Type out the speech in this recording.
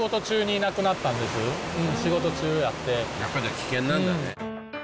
やっぱり危険なんだね。